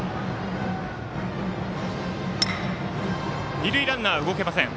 二塁ランナー、動けません。